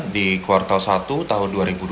di kuartal satu tahun dua ribu dua puluh